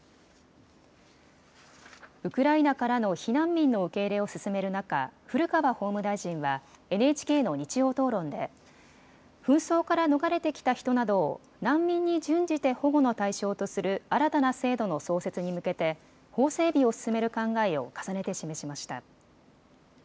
ウクライナからの避難民の受け入れを進める中、古川法務大臣はＮＨＫの日曜討論で紛争から逃れてきた人などを難民に準じて保護の対象とする新たな制度の創設に向けて法整備を進める考えを重ねて示しました。